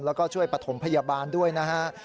แล้วก็ช่วยประถมพยาบาลด้วยนะฮะ